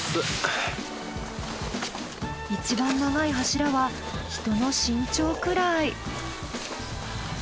いちばん長い柱は人の身長くらい。